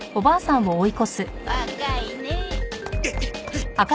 若いねえ。